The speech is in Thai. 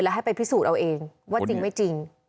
ให้ไปพิสูจน์เอาเองว่าจริงไม่จริง